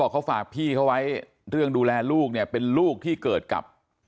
เขาฝากพี่เขาไว้เรื่องดูแลลูกเนี่ยเป็นลูกที่เกิดกับ